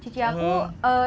tapi dia udah keluar sekarang